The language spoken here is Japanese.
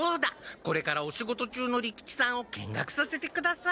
これからお仕事中の利吉さんを見学させてください。